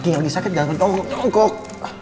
kamu lagi sakit jangan ke tongkok